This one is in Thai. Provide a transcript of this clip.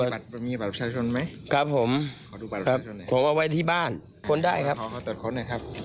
นะครับเงินจะความว่าที่บ้านได้ครับตัดขดตอบ